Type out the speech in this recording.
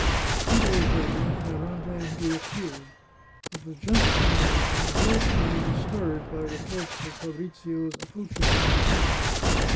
Two days later Ferrante reappeared. It was just at the moment when the whole town was stirred by reports of Fa brizio's approaching execution.